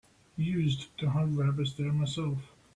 Used to hunt rabbits there myself.